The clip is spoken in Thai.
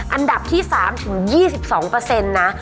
อันดับที่๓ถึง๒๒เปอร์เซ็นต์นะ